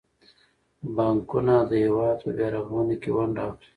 بانکونه د هیواد په بیارغونه کې ونډه اخلي.